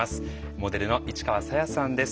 モデルの市川紗椰さんです。